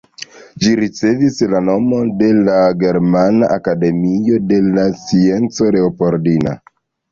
Ĝi ricevis la nomon de la Germana Akademio de la Sciencoj Leopoldina.